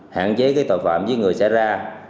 hạn chế tội phạm giết người xảy ra